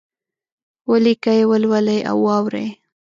ولیکئ، ولولئ او واورئ!